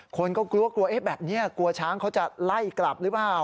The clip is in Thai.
คนก็กลัวกลัวแบบนี้กลัวช้างเขาจะไล่กลับหรือเปล่า